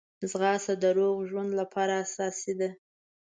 ځغاسته د روغ ژوند لپاره اساسي ده